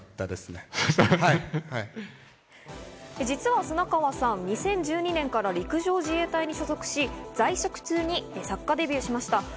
実は砂川さん、２０１２年から陸上自衛隊に所属し、在職中に作家デビューしました。